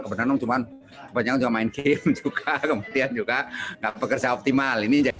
kebenaran cuma main game juga kemudian juga tidak bekerja optimal